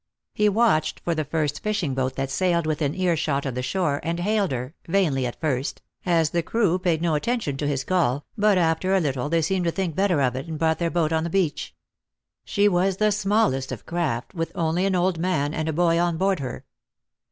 He watched for the first fishing boat that sailed within earshot of the shore, and hailed her, vainly at first, as the crew paid no attention to his call, but after a little they seemed to think better of it, and brought their boat in to the beach. She was the smallest of craft, with only an old man and a boy on board her.